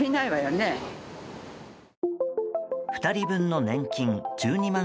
２人分の年金１２万